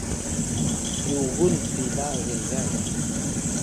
yugun pila gegay